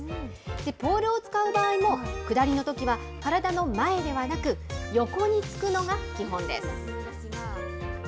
ポールを使う場合も、下りのときは体の前ではなく、横につくのが基本です。